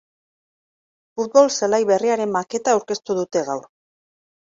Futbol-zelai berriaren maketa aurkeztu dute gaur.